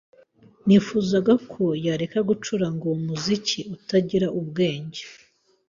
Nifuzaga ko yareka gucuranga uwo muziki utagira ubwenge.